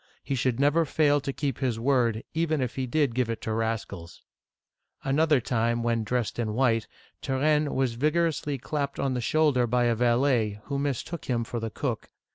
He should never fail to keep his word, even if he did give it to rascals !'*. Another time, when dressed in white, Turenne was vig orously clapped on the shoulder by a valet, who mistook him for the cook.